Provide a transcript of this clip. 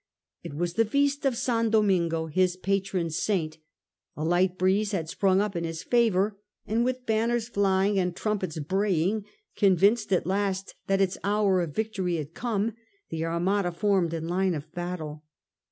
It was the feast of San Domingo, his patron saint; a light breeze had sprung up in his favour, and with banners flying and trumpets braying, convinced at last that its hour of victory had come, the Armada formed in line of battle.